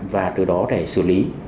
và từ đó để xử lý